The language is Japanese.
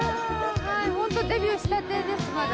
はいホントデビューしたてですまだ。